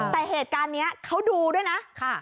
แต่เหตุการณ์นี้เขาดูด้วยนะ